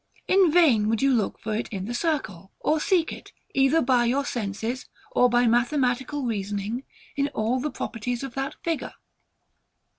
In vain would you look for it in the circle, or seek it, either by your senses or by mathematical reasoning, in all the properties of that figure.